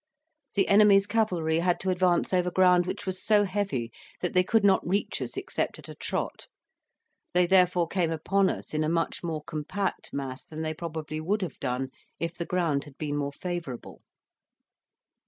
The enemy's cavalry had to advance over ground which was so heavy that they could not reach us except at a trot; they therefore came upon us in a much more compact mass than they probably would have done if the ground had been more favourable.